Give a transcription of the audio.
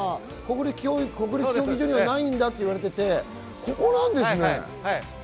国立競技場にはないんだと言われていて、ここなんですね。